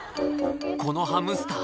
このハムスター